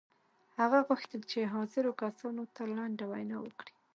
هغه غوښتل چې حاضرو کسانو ته لنډه وینا وکړي